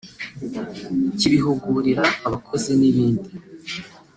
kibihugurira abakozi n’ibindi